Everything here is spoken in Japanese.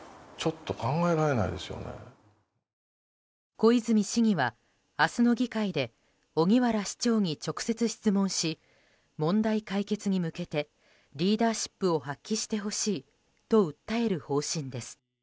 小泉市議は明日の議会で荻原市長に直接質問し問題解決に向けてリーダーシップを発揮してほしいと訴える方針です。